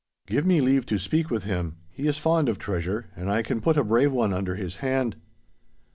Give me leave to speak with him. He is fond of treasure, and I can put a brave one under his hand!